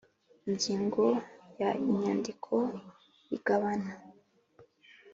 Ingingo ya inyandiko y igabana